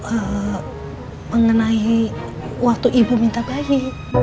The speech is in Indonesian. eh mengenai waktu ibu minta bayi